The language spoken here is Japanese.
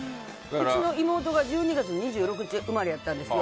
うちの妹が１２月２６日生まれなんですよ。